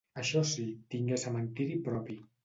Això sí, tingué cementiri propi.